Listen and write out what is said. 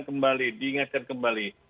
kembali diingatkan kembali